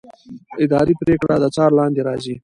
اداري پرېکړه د څار لاندې راځي.